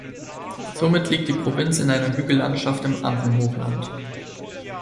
Somit liegt die Provinz in einer Hügellandschaft im Andenhochland.